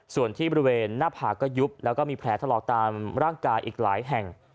ส่วนที่บริเวณหน้าผาก็ยุบแล้วก็มีแผลถลอกตามร่างกายอีกหลายแห่ง